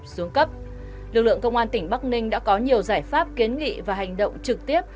lực lượng công an tỉnh bắc ninh đã có nhiều giải pháp kiến nghị và hành động trực tiếp